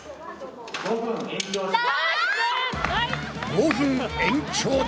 ５分延長だ！